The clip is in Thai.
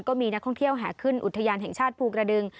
ก็มีนักท่องเที่ยวแห่ขึ้นอุทยานแห่งชาติภูกระดึง